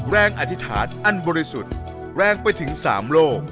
อธิษฐานอันบริสุทธิ์แรงไปถึง๓โลก